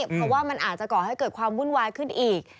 เพราะว่ามันอาจจะก่อให้เกิดความวุ่นวายขึ้นอีก